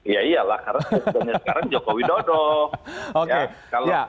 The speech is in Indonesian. ya iyalah karena presidennya sekarang joko widodo